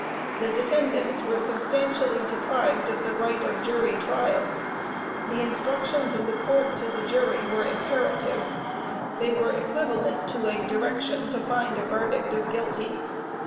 The defendants were substantially deprived of the right of jury trial. The instructions of the Court to the jury were imperative. They were equivalent to a direction to find a verdict of guilty.